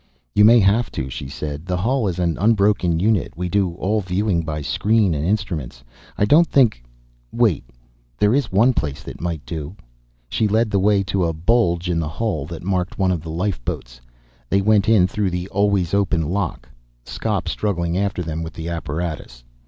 "You may have to," she said. "The hull is an unbroken unit, we do all viewing by screen and instruments. I don't think ... wait ... there is one place that might do." She led the way to a bulge in the hull that marked one of the lifeboats. They went in through the always open lock, Skop struggling after them with the apparatus.